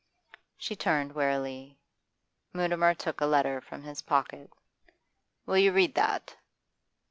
She turned wearily. Mutimer took a letter from his pocket. 'Will you read that?